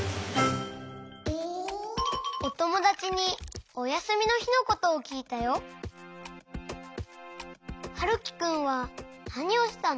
おともだちにおやすみのひのことをきいたよ。はるきくんはなにをしたの？